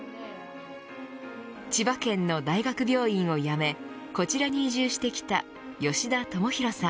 千葉県の大学病院を辞めこちらに移住してきた吉田有宏さん。